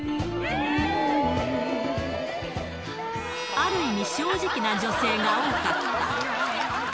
ある意味、正直な女性が多かった。